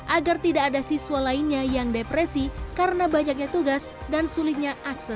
agar tidak ada siswa lainnya yang depresi karena banyaknya tugas dan sulitnya akses